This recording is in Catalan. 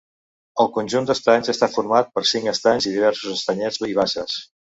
El conjunt d'estanys està format per cinc estanys i diversos estanyets i basses.